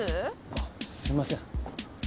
あっすいません。